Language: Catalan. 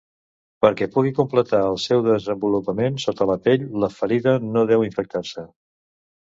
Perquè pugui completar el seu desenvolupament sota la pell, la ferida no deu infectar-se.